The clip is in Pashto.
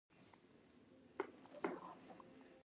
دولت د خپلو سیاسي او اقتصادي ګټو توافق غواړي